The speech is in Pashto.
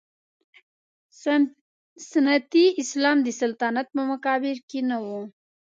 سنتي اسلام د سلطنت په مقابل کې نه و.